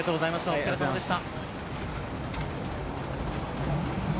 お疲れさまでした。